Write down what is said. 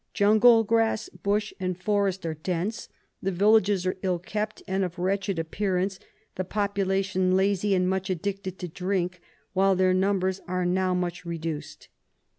Jungle grass, bush and forest are dense. The villages are ill kept and of wretched appearance, the popula tion lazy and much addicted to drink, while their numbers are now much reduced."